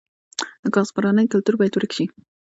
د کاغذ پرانۍ کلتور باید ورک شي.